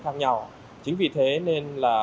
khác nhau chính vì thế nên là